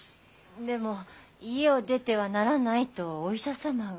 でも家を出てはならないとお医者様が。